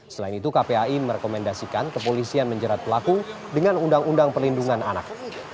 selain itu kpai merekomendasikan kepolisian menjerat pelaku dengan undang undang perlindungan anak